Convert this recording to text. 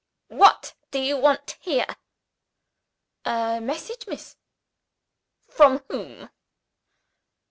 "What do you want here?" "A message, miss." "From whom?"